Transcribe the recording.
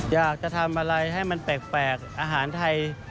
อยากจะทำอะไรให้มันแปลกอาหารไทย